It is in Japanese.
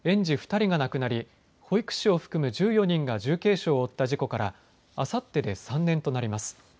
２人が亡くなり、保育士を含む１４人が重軽傷を負った事故からあさってで３年となります。